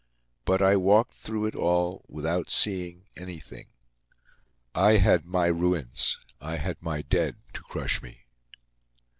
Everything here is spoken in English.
But I walked through it all without seeing anything. I had my ruins, I had my dead, to crush me.